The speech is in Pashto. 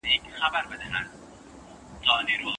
د کتاب ملګرتيا انسان ته سکون ورکوي او ذهني فشار کموي په ژوند کي.